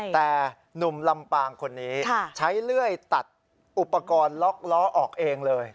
แต่หนุ่มลำปางคนนี้ใช้เลื่อยตัดอุปกรณ์ล็อกล้อออกเองเลย